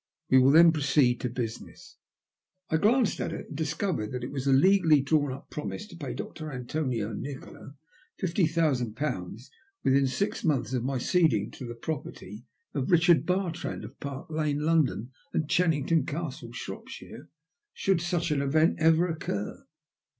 We will then proceed to business." I glanced at it, and discovered that it was a legally drawn up promise to pay Dr. Antonio Nikola fifty thousand pounds within six months of my succeeding to the property of Richard Bartrand, of Park Lane, London, and Chennington Castle, Shropshire, should A GRUESOME TALE. 60 Bucb an event ever occur.